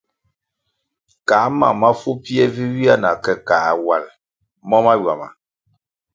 Kā mam mafu pfie vi ywia na ke kā wal mo mahywama.